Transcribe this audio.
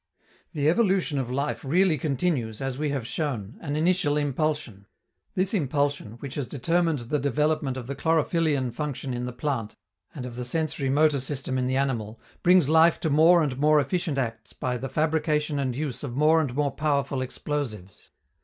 The evolution of life really continues, as we have shown, an initial impulsion: this impulsion, which has determined the development of the chlorophyllian function in the plant and of the sensori motor system in the animal, brings life to more and more efficient acts by the fabrication and use of more and more powerful explosives.